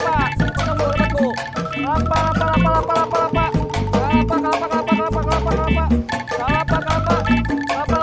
kelapa kelapa kelapa kelapa